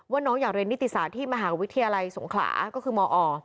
น้องอยากเรียนนิติศาสตร์ที่มหาวิทยาลัยสงขลาก็คือมอ